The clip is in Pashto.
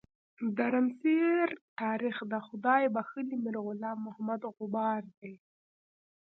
درمسیر تاریخ د خدای بخښلي میر غلام محمد غبار دی.